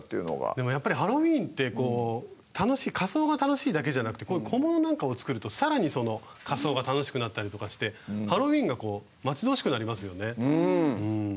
でもやっぱりハロウィーンって仮装が楽しいだけじゃなくて小物なんかを作るとさらに仮装が楽しくなったりとかしてハロウィーンが待ち遠しくなりますよね。